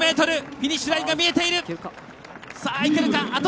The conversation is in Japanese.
フィニッシュライン見えている。